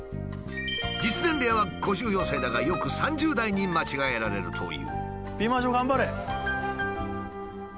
実年齢は５４歳だがよく３０代に間違えられるという。